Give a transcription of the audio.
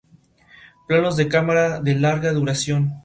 Planos de cámara de larga duración.